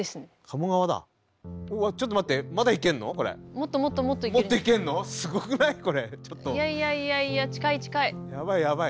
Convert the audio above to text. いやいやいやいや近い近い。